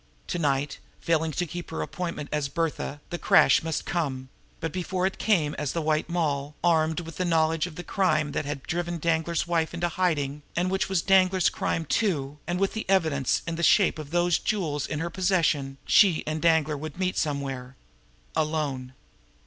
To night, failing to keep her appointment as "Bertha," the crash must come; but before it came, as the White Moll, armed with the knowledge of the crime that had driven Danglar's wife into hiding, and which was Danglar's crime too, and with the evidence in the shape of those jewels in her possession, she and Danglar would meet somewhere alone.